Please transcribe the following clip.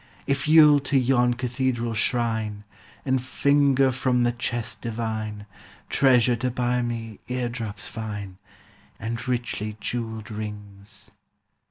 If you'll to yon cathedral shrine, And finger from the chest divine Treasure to buy me ear drops fine, And richly jewelled rings.